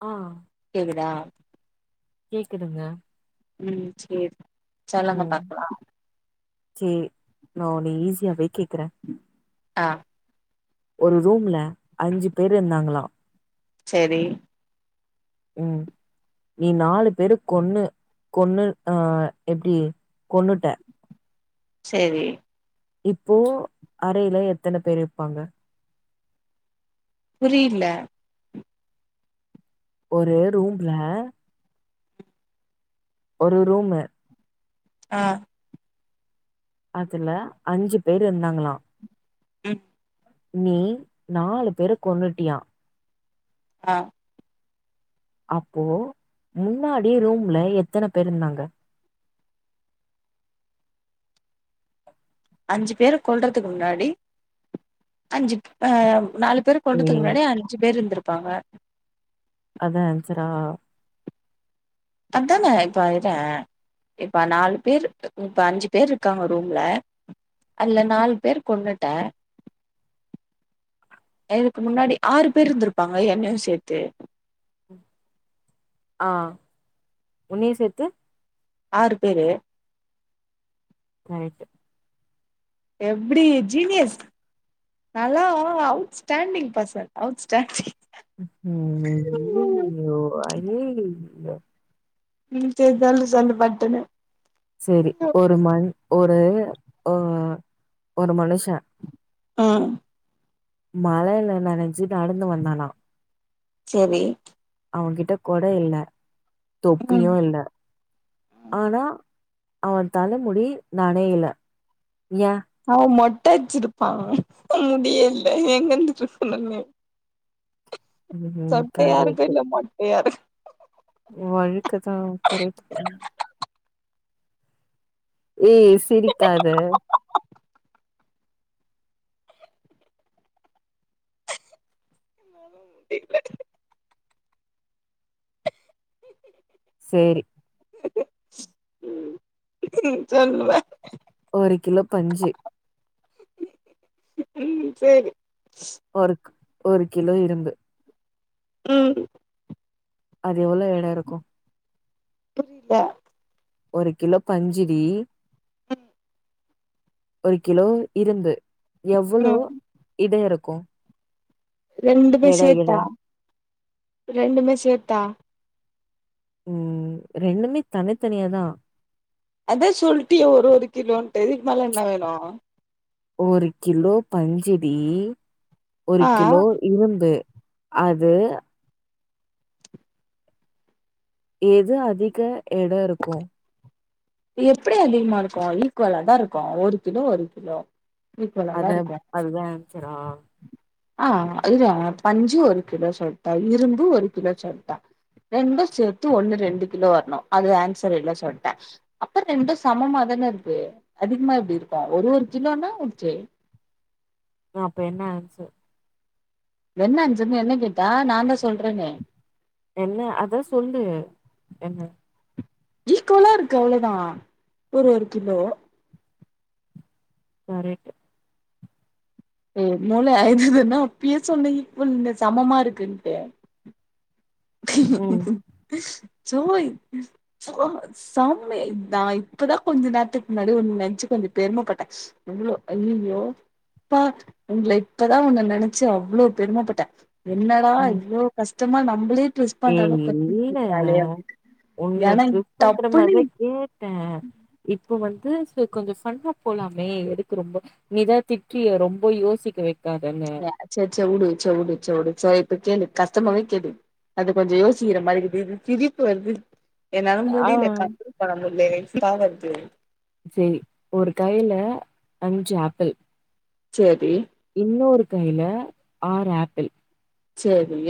ஆ கேக்குதா கேக்குதுங்க ம் சேரி சொல்லுங்க ம் பாக்கலா சேரி நா உன்ன ஈஸியாவே கேக்குற அ ஒரு ரூம்ல் அஞ்சு பேர் இருந்தாங்ளா செரி ம் நீ நாலு பேரு கொன்னு கொன்னு அ எப்டி கொன்னுட்ட செரி இப்போ அறையில எத்தன பேர் இருப்பாங்க புரியில ஒரு ரூம்ல ஒரு ரூமு அ அதுல அஞ்சு பேர் இருந்தாங்களா ம் நீ நாலு பேரு கொன்னுட்டியா அ அப்போ முன்னாடி ரூம்ல எத்தன பேர் இருந்தாங்க அஞ்சு பேரு கொல்றதுக்கு முன்னாடி அஞ்சு அ நாலு பேரு ஏ கொல்றதுக்கு முன்னாடி அஞ்சு பேர் இருந்திருப்பாங்க அதா ஆன்சரா அதான இப்ப இற இப்ப நாலு பேர் இப்ப அஞ்சு பேர் இருக்காங்க ரூம்ல அல்ல நாலு பேர் கொன்னுட்ட எனதுக்கு முன்னாடி ஆறு பேர் இருந்திருப்பாங்க என்னயு சேத்து ஆ உன்னிய சேத்து ஆறு பேரு ரைட்டு எப்டி ஜீனியஸ் நல்லா அவுட்ஸ்டாண்டிங் பர்சன் அவுட் ஸ்டாண்டிங் ம் ஐயயயோ ஐயய் ம் சரி சொல்லு சொல்லு பட்டுனு செரி ஒரு மண் ஒரு அ ஒரு மனுஷ அ மழையில நனஞ்சி நடந்து வந்தானா செரி அவங்கிட்ட கொட இல்ல ம் தொப்பியு இல்ல ஆனா அவ தலமுடி நனையல ஏ அவ மொட்ட அச்சிருப்பா முடியல எங்கந்துட்டு ம்ஹ்ம். சொட்டயாருக்கு இல்ல மொட்டயாரு வழுக்கதா கரெட்டுதா ஏ சிரிக்காத இல்ல சேரி சொல்லுவ ஒரு கிலோ பஞ்சு ம் சேரி ஒரு ஒரு கிலோ இரும்பு ம் அது எவ்வளோ எட இருக்கும் புரில ஒரு கிலோ பஞ்சு டீ ம் ஒரு கிலோ இரும்பு எவ்ளோ ம் இடோம் இருக்கும் ரெண்டுத்துயும் எட எட. சேத்தா ரெண்டுமே சேர்த்தா ரெண்டுமே தனித்தனியா தான் அதான் சொல்ட்டியே ஒரு ஒரு கிலோன்ட்டு இதுக்கு மேல என்ன வேணும் ஒரு கிலோ பஞ்சு டி ஒரு ஆ கிலோ இரும்பு அது எது அதிக எடோம் இருக்கும் எப்டி அதிகமா இருக்கும் ஈக்குவலா தான் இருக்கும் ஒரு கிலோ ஒரு கிலோ அத ஈக்குவலாதான் இருக்கும் அதுதான் ஆன்ஸரா? ஆ அதுதான் பஞ்சு ஒரு கிலோ சொல்ட்ட இரும்பு ஒரு கிலோ சொல்ட்ட ரெண்டும் சேத்து ஒண்ணு ரெண்டு கிலோ வர்ணோ அது ஆன்சர் இல்லனு சொல்ட்ட அப்பர் ரெண்டு சமமா தான இருக்கு அதிகமா எப்டி இருக்கும் ஒரு ஒரு கிலோனா ஓக்கே ஆ அப்ப என்ன ஆன்சர் என்ன ஆன்சருனு என்ன கேட்டா நான் தான் சொல்றனே என்ன அதான் சொல்லு என்ன ஈக்குவலா இருக்கு அவ்ளோதான் ஒரு ஒரு கிலோ கரெட் ஏ மூள இத தான்னா அப்பயே சொன்ன ஈக்குவல்னு சமமா இருக்குன்ட்டு ம், சொவோய் சா செம்மேய் நான் இப்பதான் கொஞ்சோ நேரத்துக் முன்னாடி உன்ன நினச்சு கொஞ்சோ பெருமப்பட்டன் எவ்ளோ ஐய்ஐய்யோ பா உங்கள இப்பதான் ஒன்னு நனச்சு அவ்ளோ பெருமப்பட்டன் என்னடா ம். இவ்ளோ கஷ்டமா நம்ளே டுஸ் ஏய் பண்ணறளவுக்கு கோஸ்டின் இல்ல. கேக்குறாலே அப்டினு ஏன்னா டப்புனு டன் இப்ப வந்து சேர் கொஞ்சோ ஃபன்னாப் போலாமே எதுக்கு ரொம்ப நீதா திட்றியே ரொம்ப யோசிக்க வை எ சச்ச உடு ச்ச உடு ச்ச உடு ச இப்ப கேளு கஷ்டமாவே கேளு அது கொஞ்சோ யோசிக்கிற மாரி இருக்குது எனக்கு சிரிப்பு வருது என்னா ஆ. முடில கன்ட்ரோல் பண்ண முடில சிரிப்பா வருது சேரி ஒரு கையில அஞ்சு ஆப்பிள் சேரி இன்னொரு கையில ஆர் ஆப்பிள் சேரி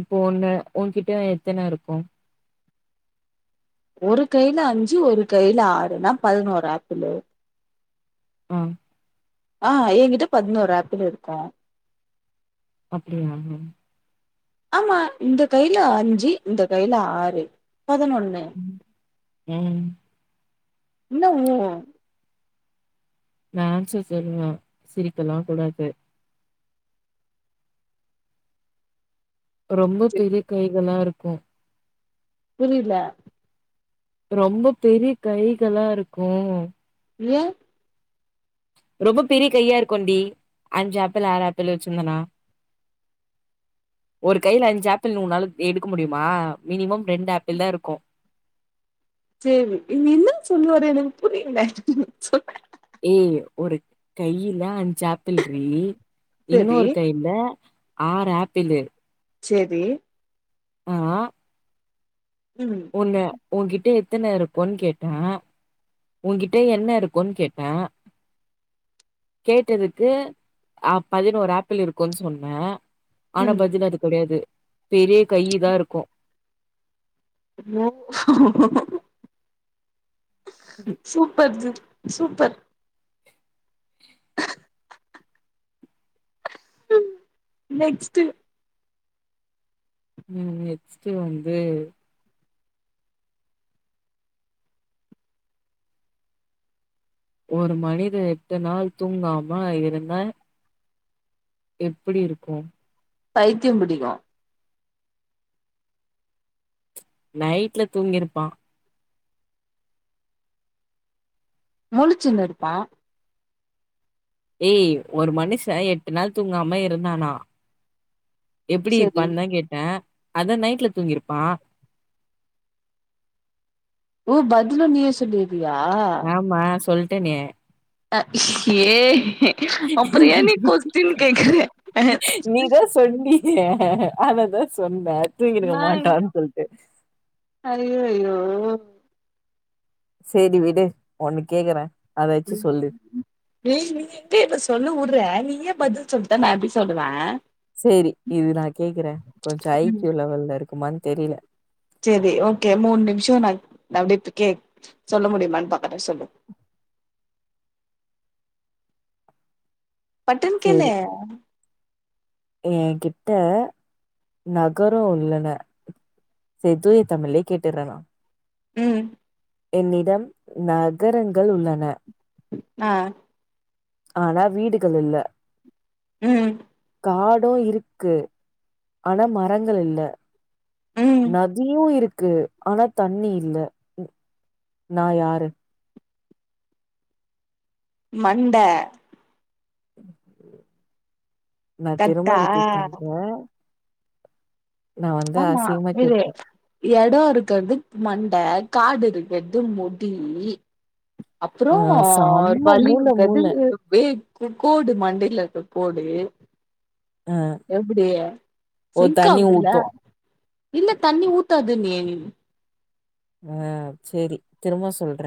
இப்போ ஒன்னு ஒன்கிட்ட எத்தன இருக்கும் ஒரு கையில அஞ்சு ஒரு கையில ஆறுன்னா பதினொரு ஆப்பிளு ஆ ஆ என்கிட்ட பதினொரு ஆப்பிளு இருக்கும் அப்டியா ஆமா இந்த கையில அஞ்சு இந்த கையில ஆறு பதனொன்னு ம் ம் என்ன உ நா அன்சர் சொல்லுவ சிரிக்கல்லா கூடாது ரொம்ப பெரிய கைகளா இருக்கு புரில ரொம்ப பெரிய கைகளா இருக்கு ஏன் ரொம்ப பெரிய கையா இருக்குண்டி அஞ்சு ஆப்பிள் ஆறு ஆப்பிள் வெச்சுருந்தனா ஒரு கைல அஞ்சு ஆப்பிள் உன்னால எடுக்க முடியுமா மினிமம் ரெண்டு ஆப்பிள் தா இருக்கு சேரி இன் இன்னனு சொல்லு ஒரு எனக்கு புரியல சொல்லு ஏய் ஒரு கையில அஞ்சு ஆப்பிள்றி செரி இன்னொரு கை யில ஆறு ஆப்பிளு சேரி ஆ ம் உன்ன உன் கிட்ட எத்தன இருக்குன் கேட்ட உன்கிட்ட என்ன இருக்குன் கேட்ட கேட்டதுக்கு ஆ பதினோரு ஆப்பிள் இருக்குன் சொன்ன ஆனா ம் பதில் அது கெடயாது பெரிய கை தா இருக்கு ஓ சூப் பர்து சூப்பர் நெக்ஸ்டு ம் நெக்ஸ்டு வந்து ஒரு மனித எட்டு நாள் தூங்காம இருந்தா எப்டி இருக்கு பைத்தியோ புடிக்கு நைட்ல தூங்கிருப்பா மூலுசின்ருப்பா ஏய் ஒரு மனுஷ எட்டு நாள் தூங்காம இருந்தானா எப்டி செரி இருப்பான் தா கேட்ட அதா நைட்ல தூங்கிருப்பா ஓ பதிலு நீயே சொல்லி வியா ஆமா சொல்டனே அ ஏ அப்றோ என் நீ கொஸ்டின் கேகுற ய ஆதனதா சொன்ன தூங்கிருக்க மாட்டான் சொல்டு அய்யோயோ சேரி விடு ஒன்னு கேக்கற ம் ஏ நீ எங்க என்ன சொல்ல உட்ற நீ ஏ பதில் சொல்ட்ட நா எப்டி சொல்லுவ சேரி இது நா கேக்குற கொஞ்சோ ஐ கியூ லெவல்ல இருக்குமான் தெரில சேரி ஓகே மூண் நிம்ஷொ நா அப்டெ கே சொல்ல முடியுமான் பாக்குற சொல்லு பட்டுன் கேலு சேரி என்கிட்ட நகறோ உள்ள செ தூய தமிழே கேட்டுறனா ம் என்னிடம் நகரங்கள் உள்ளன அ ஆனா வீடுகள் இல்ல ம் ஆடு இருக்கு ஆனா மரங்கள் இல்ல ம் நதியு இருக்கு ஆனா தண்ணி இல்ல நா யாரு மண்ட நா திரும்ப கட்டா ரிபீப் பண்ற ஆமா அசிங்கமா விரு கேப்பே எடொ இருக்கறது மண்ட காடு இருக்கறது முடி அப்றொ அ செம்ம வலி மூள மூள இருக்கற்து வே க்கோடு மண்டைல இருக கோடு அ எப்டி ஓ சிங் தண்ணி ஆகுதுல்ல ஊத்து இல்ல தண்ணி ஊத்தாது நீ அ சேரி திரும்ப சொல்ற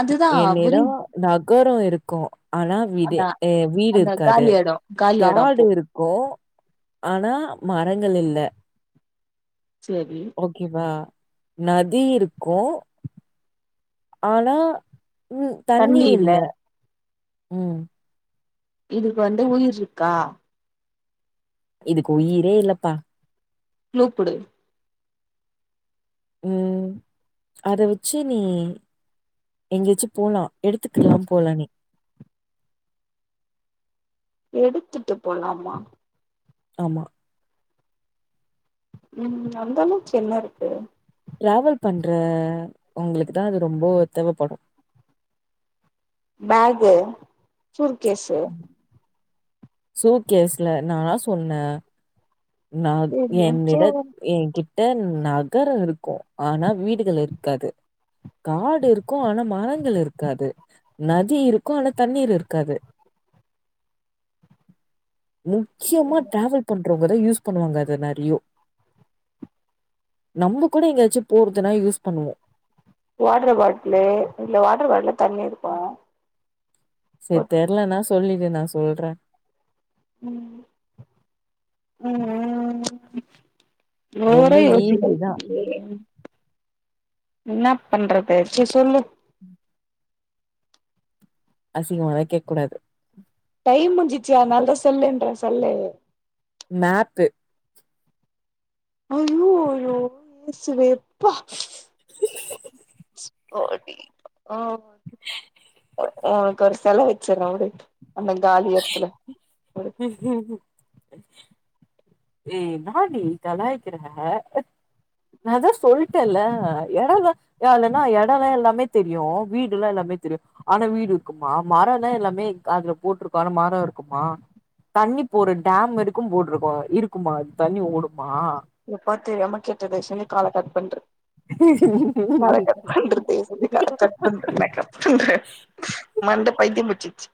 அதுதான் என்னிடம் புரியுது நகரொ இருக்கு ஆனா விடு அந்த வீடு அந்த இருக்காது காலி எடம் காலி எடம் காடு அப்போ இருக் கொ ஆனா மரங்கள் இல்ல செரி ஓகேவா நதி இருக்கு ஆனா ம் தண்ணி இல்ல ம் இதுக்கு வந்து உயிர்ருக்கா இதுக்கு உயிரே இல்லப்பா க்லூக்குடு ம் அத வச்சி நீ எங்கோயாச்சி போலா எடுத்துக்கலா போலா நீ எடுத்துட்டு போலாமா ஆமா ம் அந்த அளவுக் என்ன இருக்கு டிராவல் பண்ற உங்ளுக்கு தா அது ரொம்போ தேவபடு பேகு சுர்கேஸு சூட்கேஸ்ல நானா சொன்ன நா என்னிடத் ஏ கிட் ட்டநகரோ இருக்கு ஆனா வீடுகள் இருக்காது காடு இருக்கு ஆனா மரங்கள் இருக்காது நதி இருக்கு ஆனா தண்ணீர் இருக்காது [inaudible] முக்கியமா ட்ராவல் பண்றவங்கதா யூஸ் பண்ணுவாங்க அத நறியோ நம்ம கூட எங்காச்சு போறதுனா யூஸ் பண்ணுவோ வாட் ரு பாட்லு இல்ல வாட்ரு பாட்லு தண்ணி இருக்கு சேர் தெர்லனா சொல்லிடு நா சொல்ற ம் ம் ம் ஓவற ரொம்ப யோசி ஈஸி தான். [unintelligible] என்னப் பண்றது சே சொல்லு உம் அசிங்மாள கேக்கூடாது டைம் முஞ்சிச்சு அதனால தா செல்லுன்றே செல்லு மேப்பு அயோ அயோ ஏசுதேப்பா ஓ அனிக்கி ஒன்க்கு ஒரு செல வச்சற விடு அந்த காலி எட்த்துல உம் உம் [unintelligible] ஏ என்னாடி கலாய்க்கிர அ நாதா சொல்ட்டேல்ல எடல்வ ஏ இல்லன்னா எடலா எல்லாமெ தெரியு வீடு ல்லா எல்லாமே தெரியு ஆனா வீடு இருக்குமா மரனா எல்லாமே அதுல போட்ருக்கு ஆனா மரோ இருக்குமா தண்ணி போற டேம் இருக்கு போட்ருக்கோ இருக்குமா அது தண்ணி ஓடுமா எப்பா தெரியாம கேட்டே தயவ்செஞ்சி கால கட் பண்று கால ஓடுமா கட் பண்று தைவ்செஞ்சு கால கட் ன்ற நா கட் பன்ற மண்ட பைத்தியம்புச்சிச்சு